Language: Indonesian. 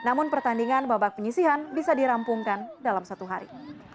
namun pertandingan babak penyisihan bisa dirampungkan dalam satu hari